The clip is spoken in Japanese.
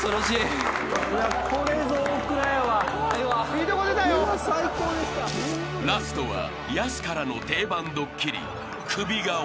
［ラストはヤスからの定番ドッキリ］